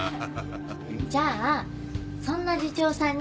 じゃあそんな次長さんに。